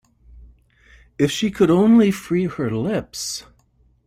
If she could only free her lips!